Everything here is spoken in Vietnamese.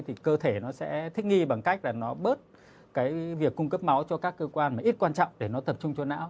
thì cơ thể nó sẽ thích nghi bằng cách là nó bớt cái việc cung cấp máu cho các cơ quan mà ít quan trọng để nó tập trung cho não